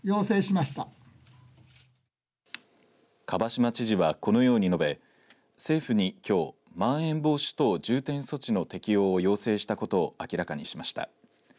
蒲島知事は、このように述べ政府に、きょうまん延防止等重点措置の適用を要請したことを明らかにしました。